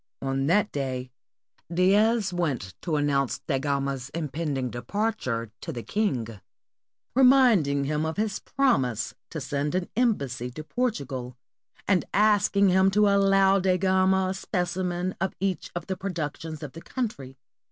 On that day Dias went to announce Da Gama's impending departure to the king, reminding him'of his promise to send an embassy to Portugal, and asking him to allow Da Gama a specimen of each of the productions of the country.